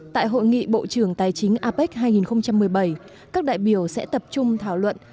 tại hội nghị bộ trưởng tài chính apec hai nghìn một mươi bảy các đại biểu sẽ tập trung thảo luận